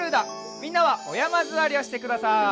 みんなはおやまずわりをしてください。